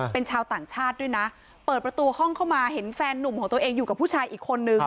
เป็นชาวต่างชาติด้วยนะเปิดประตูห้องเข้ามาเห็นแฟนนุ่มของตัวเองอยู่กับผู้ชายอีกคนนึง